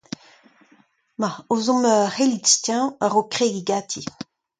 Ma, aozomp ur c'hellidsteuñv a-raok kregiñ ganti.